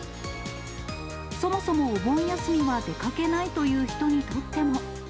そもそもお盆休みは出かけないという人にとっても。